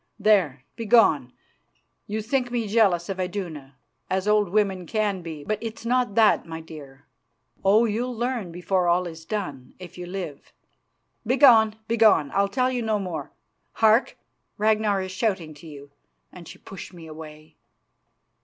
There, begone, you think me jealous of Iduna, as old women can be, but it's not that, my dear. Oh! you'll learn before all is done, if you live. Begone, begone! I'll tell you no more. Hark, Ragnar is shouting to you," and she pushed me away.